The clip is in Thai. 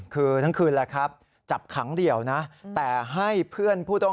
หรือก็ทำอะไรกับตัวเอง